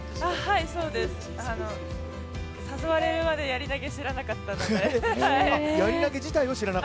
はい、そうです、誘われるまでやり投知らなかったので。